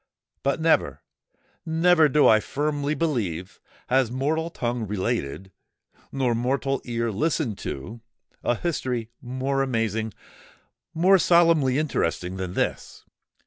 But never—never, do I firmly believe, has mortal tongue related, nor mortal ear listened to, a history more amazing—more solemnly interesting, than this.